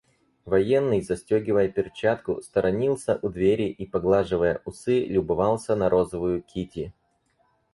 Военный, застегивая перчатку, сторонился у двери и, поглаживая усы, любовался на розовую Кити.